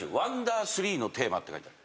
『Ｗ３のテーマ』って書いてある。